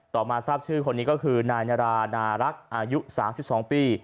มาทราบชื่อคนนี้ก็คือนายนารานารักอายุ๓๒ปี